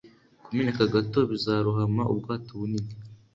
kumeneka gato bizarohama ubwato bunini.